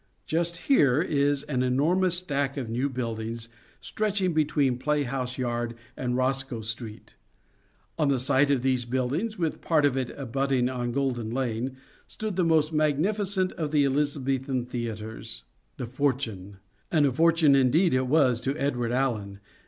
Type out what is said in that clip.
Just here is an enormous stack of new buildings stretching between Play House Yard and Roscoe Street ; on the site of these buildings, with part of it abutting on Golden Lane, stood the most magnificent of the Elizabethan theatres, "The Fortune," and a fortune indeed it was to Edward Alleyn.